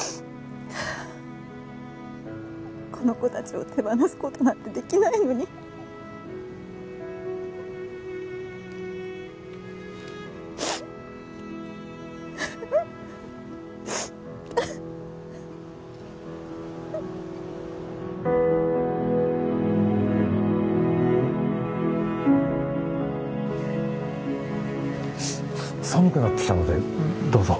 この子達を手放すことなんてできないのに寒くなってきたのでどうぞ